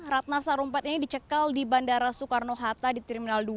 ratna sarumpait ini dicekal di bandara soekarno hatta di terminal dua